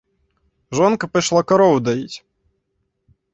Жонка пайшла карову даіць.